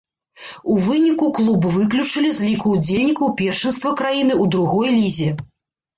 У выніку, клуб выключылі з ліку ўдзельнікаў першынства краіны ў другой лізе.